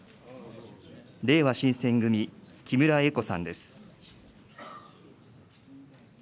れいわ新選組、木村英子さんです。